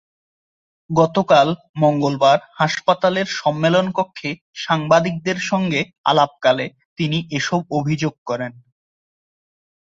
গতকাল মঙ্গলবার হাসপাতালের সম্মেলনকক্ষে সাংবাদিকদের সঙ্গে আলাপকালে তিনি এসব অভিযোগ করেন।